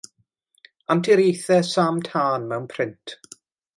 Anturiaethau Sam Tân mewn print.